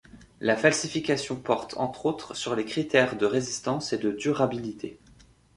La falsification porte, entre autres, sur les critères de résistance et de durabilité.